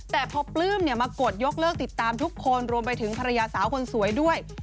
แต่พอปลื้มมากดยกเลิกติดตามทุกคนรวมไปถึงภรรยาสาวคนสวยด้วย